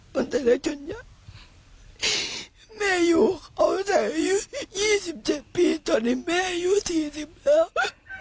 ตอนแต่แรกจนยังแม่อยู่เขาแต่๒๗ปีตอนที่แม่อยู่๔๐แล้ว